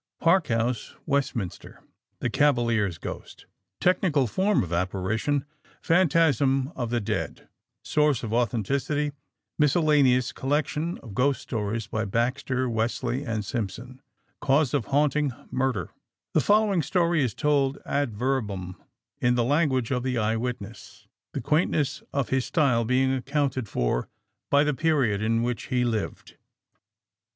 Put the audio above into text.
PARK HOUSE, WESTMINSTER THE CAVALIER'S GHOST Technical form of apparition: Phantasm of the dead Source of authenticity: Miscellaneous collection of Ghost Stories by Baxter, Wesley and Simpson Cause of haunting: Murder (The following story is told ad verbum in the language of the eye witness, the quaintness of his style being accounted for by the period in which he lived.)